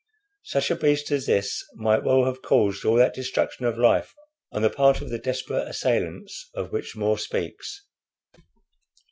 Such a beast as this might well have caused all that destruction of life on the part of his desperate assailants of which More speaks.